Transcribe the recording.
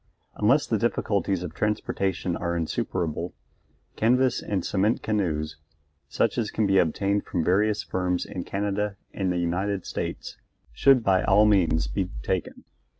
Unless the difficulties of transportation are insuperable, canvas and cement canoes, such as can be obtained from various firms in Canada and the United States, should by all means be taken.